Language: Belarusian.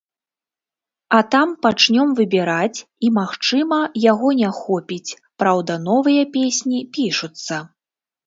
А там пачнём выбіраць і, магчыма, яго не хопіць, праўда новыя песні пішуцца.